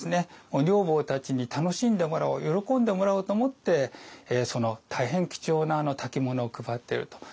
女房たちに楽しんでもらおう喜んでもらおうと思ってその大変貴重な薫物を配っていると。